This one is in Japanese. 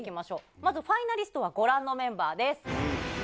まず、ファイナリストはご覧のメンバーです。